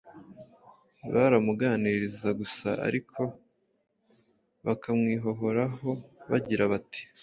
baramuganiriza gusa ariko bakamwihohoraho bagira bati: